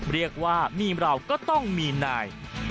เรียกว่ามีเราก็ต้องมีนาย